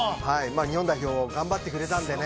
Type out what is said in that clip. ◆日本代表も頑張ってくれたんでね。